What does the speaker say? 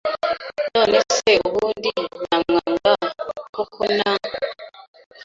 None se ubundi namwanga Kokona